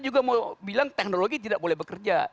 juga mau bilang teknologi tidak boleh bekerja